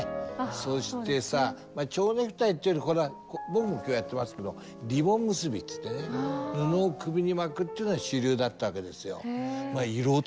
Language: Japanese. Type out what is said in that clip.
そしてさ蝶ネクタイっていうより僕も今日やってますけどリボン結びっていってね布を首に巻くっていうのが主流だったわけですよ。